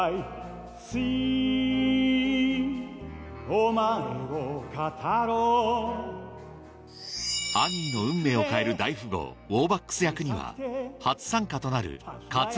お前を語ろうアニーの運命を変える大富豪ウォーバックス役には初参加となる葛山信吾さん